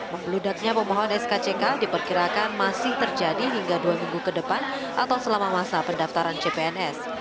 menggeludaknya pemohon skck diperkirakan masih terjadi hingga dua minggu ke depan atau selama masa pendaftaran cpns